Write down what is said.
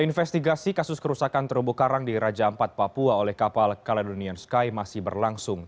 investigasi kasus kerusakan terumbu karang di raja ampat papua oleh kapal caledonian sky masih berlangsung